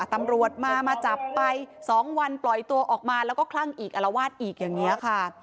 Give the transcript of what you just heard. ตำรวจมามาจับไป๒วันปล่อยตัวออกมาแล้วก็คลั่งอีกอารวาสอีกอย่างนี้ค่ะ